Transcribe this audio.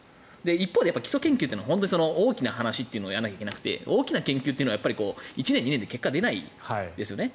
一方で基礎研究というのは大きな話というのをやらなきゃいけなくて大きな研究というのは１年２年で結果は出ないですよね。